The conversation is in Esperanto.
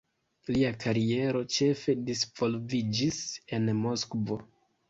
Lia kariero ĉefe disvolviĝis en Moskvo.